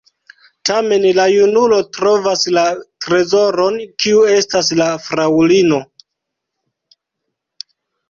Tamen la junulo trovas la trezoron, kiu estas la fraŭlino.